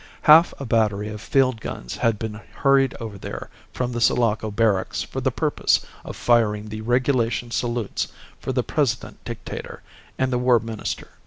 Half a battery of field guns had been hurried over there from the Sulaco barracks for the purpose of firing the regulation salutes for the President Dictator and the War Minister.